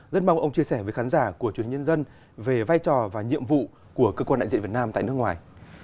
rất mong ông chia sẻ với khán giả của truyền nhân dân về vai trò và nhiệm vụ của cơ quan đại diện việt nam tại nước ngoài